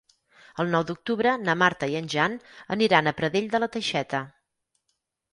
El nou d'octubre na Marta i en Jan aniran a Pradell de la Teixeta.